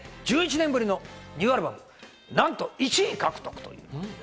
１１年ぶりのニューアルバム、なんと１位獲得。